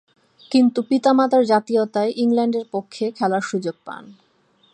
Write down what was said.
কিন্তু, পিতা-মাতার জাতীয়তায় ইংল্যান্ডের পক্ষে খেলার সুযোগ পান।